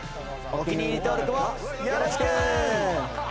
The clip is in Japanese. お気に入り登録もよろしく！